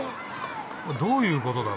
どういうことだろ？